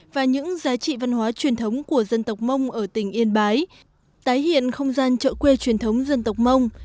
và những giá trị văn hóa truyền thống của dân tộc mông ở tỉnh yên bái tái hiện không gian chợ quê truyền thống dân tộc mông